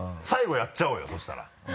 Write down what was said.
最後やっちゃおうよそしたら。